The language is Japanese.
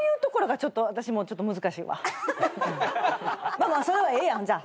まあそれはええやんじゃあ。